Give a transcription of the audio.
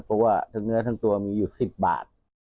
เพราะว่าทั้งเนื้อทั้งตัวมีอยู่๑๐บาท